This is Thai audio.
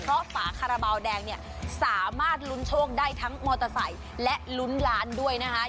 เพราะฝาคาราบาลแดงเนี่ยสามารถลุ้นโชคได้ทั้งมอเตอร์ไซค์และลุ้นล้านด้วยนะคะ